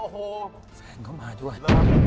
แฟนก็มาด้วย